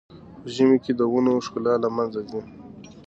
په ژمي کې د ونو ښکلا له منځه ځي.